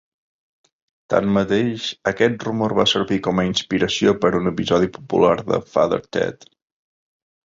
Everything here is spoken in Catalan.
Tanmateix, aquest rumor va servir com a inspiració per a un episodi popular de "Father Ted".